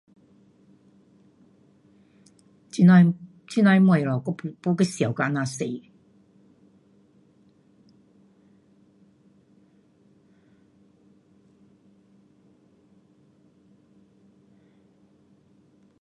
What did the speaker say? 这样的，这样的东西我没，没去想到这样多。